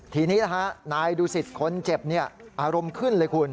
ทีนี้นะฮะนายดูสิตคนเจ็บอารมณ์ขึ้นเลยคุณ